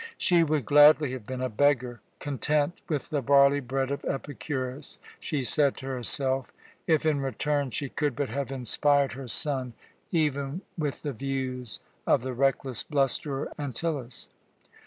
She would gladly have been a beggar, content with the barley bread of Epicurus, she said to herself, if in return she could but have inspired her son even with the views of the reckless blusterer Antyllus.